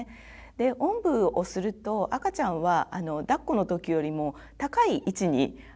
おんぶをすると赤ちゃんはだっこの時よりも高い位置に顔がきます。